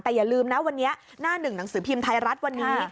แต่อย่าลืมนะวันนี้หน้าหนึ่งหนังสือพิมพ์ไทยรัฐวันนี้